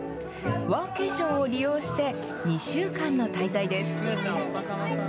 ワーケーションを利用して、２週間の滞在です。